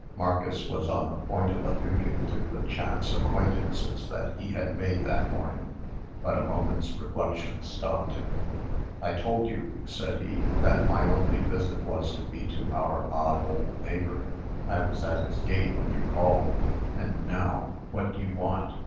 Marcus was on the point of alluding to the chance acquaintances that he had made that morning; but a moment's reflection stopped him. "I told you," said he, "that my only visit was to be to our odd old neighbor. I was at his gate, when you called. And now, what do you want?"